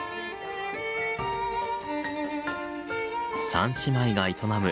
三姉妹が営む